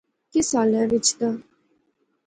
کس حالے وچ دا